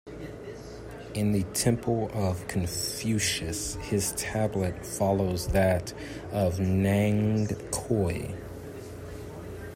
In the Temple of Confucuis his tablet follows that of Nangong Kuo.